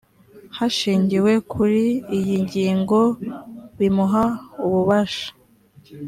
hashingiwe kuri iyi ngingo bimuha ububasha